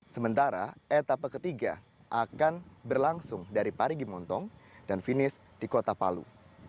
sementara etapa ketiga akan berlangsung dari parigi montong dan finish di kota palu